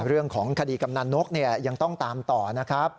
เรื่องของคดีกำนันนกยังต้องตามต่อนะครับ